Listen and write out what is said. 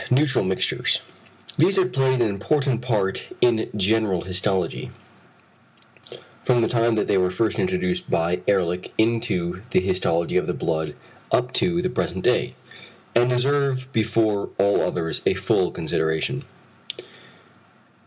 Neutral mixtures. These have played an important part in general histology, from the time that they were first introduced by Ehrlich into the histology of the blood up to the present day; and deserve before all others a full consideration.